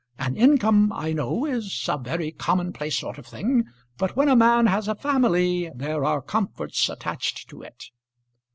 An income, I know, is a very commonplace sort of thing; but when a man has a family there are comforts attached to it."